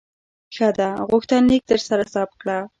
ښه ده، غوښتنلیک درسره ثبت کړه.